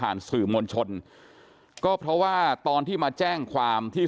มาร้องเรียนผ่านสื่อมวลชนก็เพราะว่าตอนที่มาแจ้งความที่